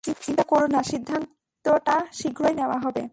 চিন্তা করো না, সিদ্ধান্তটা শীঘ্রই নেওয়া হবে।